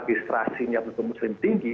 distrasinya muslim tinggi